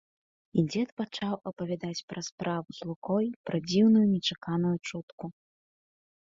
І дзед пачаў апавядаць пра справу з лукой, пра дзіўную, нечаканую чутку.